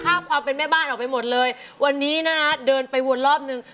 ภาพความเป็นแม่บ้านออกไปหมดเลยวันนี้นะฮะเดินไปวนรอบนึง